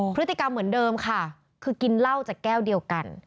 พฤติกรรมเหมือนเดิมค่ะคือกินเหล้าจากแก้วเดียวกัน